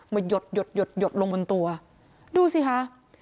มาหยดลงบนตัวดูสิค่ะ